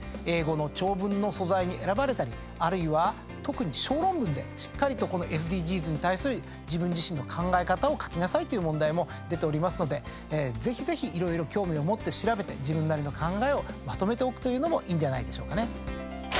英語の長文の素材に選ばれたりあるいは特に小論文でしっかりとＳＤＧｓに対する自分自身の考え方を書きなさいという問題も出ておりますのでぜひぜひ色々興味を持って調べて自分なりの考えをまとめておくというのもいいんじゃないでしょうかね。